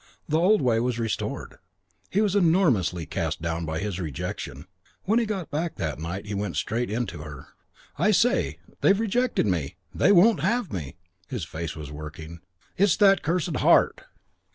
The old way was restored. He was enormously cast down by his rejection. When he got back that night he went straight in to her. "I say, they've rejected me. They won't have me." His face was working. "It's that cursed heart."